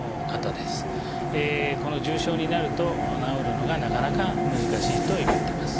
この重症になると治るのがなかなか難しいといわれてます。